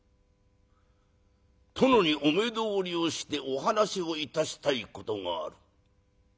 殿にお目通りをしてお話をいたしたいことがある。